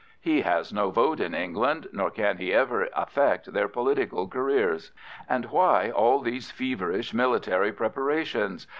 He has no vote in England, nor can he ever affect their political careers. And why all these feverish military preparations?